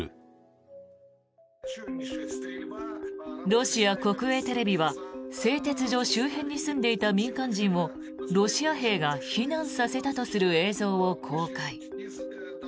ロシア国営テレビは製鉄所周辺に住んでいた民間人をロシア兵が避難させたとする映像を公開。